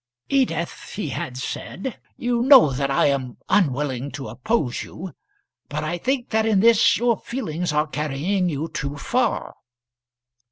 "Edith," he had said, "you know that I am unwilling to oppose you; but I think that in this your feelings are carrying you too far."